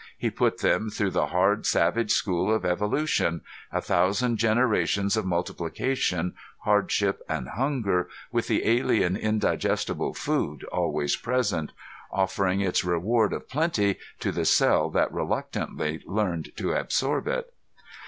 He put them through the hard savage school of evolution a thousand generations of multiplication, hardship and hunger, with the alien indigestible food always present, offering its reward of plenty to the cell that reluctantly learned to absorb it.